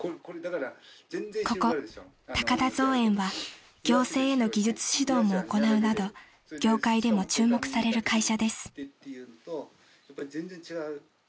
［ここ高田造園は行政への技術指導も行うなど業界でも注目される会社です］